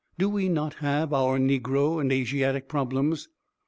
Do we not have our negro and Asiatic problems?